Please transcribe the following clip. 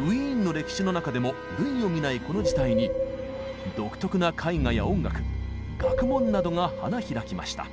ウィーンの歴史の中でも類を見ないこの時代に独特な絵画や音楽学問などが花開きました。